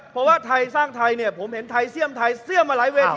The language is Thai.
เพราะว่าไทยสร้างไทยเนี่ยผมเห็นไทยเสี่ยมไทยเสี่ยมมาหลายเวที